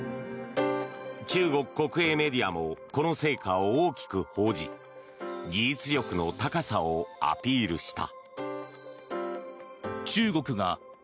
中国国営メディアもこの成果を大きく報じ技術力の高さをアピールした。